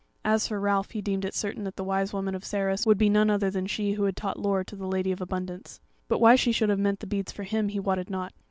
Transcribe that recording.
As for Ralph, he deemed it certain that the Wise Woman of Sarras would be none other than she who had taught lore to the Lady of Abundance; but why she should have meant the beads for him he wotted not.